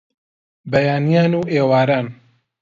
بەیانیان و ئێواران